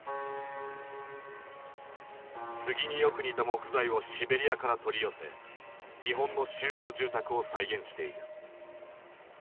スギによく似た木材をシベリアから取り寄せ日本の集合住宅を再現している。